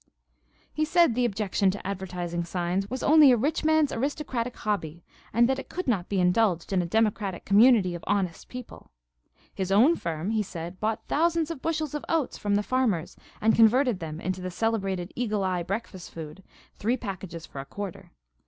He said the objection to advertising signs was only a rich man's aristocratic hobby, and that it could not be indulged in a democratic community of honest people. His own firm, he said, bought thousands of bushels of oats from the farmers and converted them into the celebrated Eagle Eye Breakfast Food, three packages for a quarter.